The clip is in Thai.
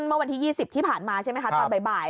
เมื่อวันที่๒๐ที่ผ่านมาใช่ไหมคะตอนบ่าย